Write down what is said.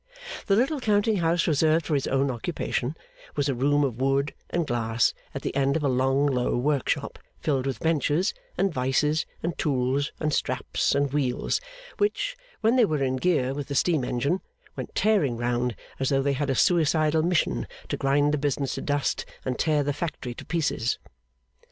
The little counting house reserved for his own occupation, was a room of wood and glass at the end of a long low workshop, filled with benches, and vices, and tools, and straps, and wheels; which, when they were in gear with the steam engine, went tearing round as though they had a suicidal mission to grind the business to dust and tear the factory to pieces.